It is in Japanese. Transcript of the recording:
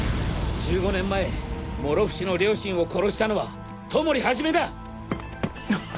１５年前諸伏の両親を殺したのは外守一だ！